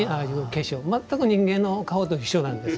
全く人間の顔と一緒なんです。